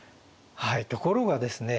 はいところがですね